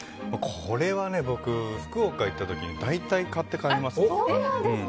これは僕、福岡行った時に大体買って帰ります。